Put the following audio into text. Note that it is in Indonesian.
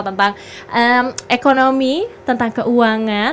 tentang ekonomi tentang keuangan